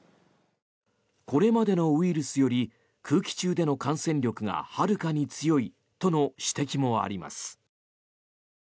これまでのウイルスより空気中での感染力がはるかに強いとの指摘もあります。